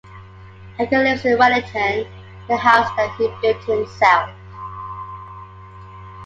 Hager lives in Wellington, in a house that he built himself.